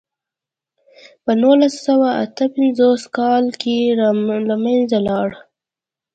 په نولس سوه اته پنځوس کال کې له منځه لاړ.